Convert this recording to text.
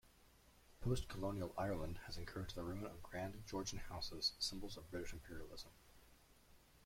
Post-colonial Ireland has encouraged the ruin of grand Georgian houses, symbols of British imperialism.